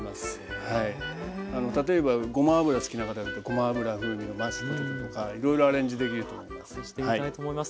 例えばごま油好きな方だとごま油風味のマッシュポテトとかいろいろアレンジできると思います。